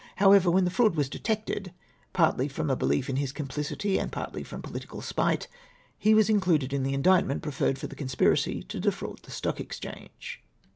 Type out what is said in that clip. However, when the fraud was detected, — partly from a belief in his complicity, and partly from 'political spite, — he was included in the indictment preferred for the conspiracy to defraud the Stock Exchange."